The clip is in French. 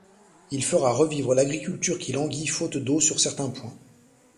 Il fera revivre l'agriculture qui languit faute d'eau sur certains points.